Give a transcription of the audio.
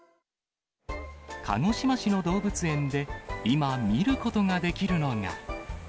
鹿児島市の動物園で、今見ることができるのが。